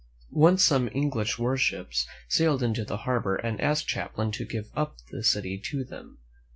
Once some English warships sailed into the harbor and asked Champlain to give up the city to them.